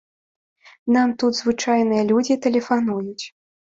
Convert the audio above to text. Нам тут звычайныя людзі тэлефануюць.